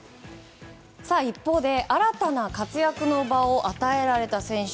一方、新たな活躍の場を与えられた選手。